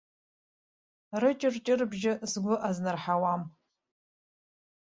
Рыҷырҷырбжьы сгәы азнарҳауам!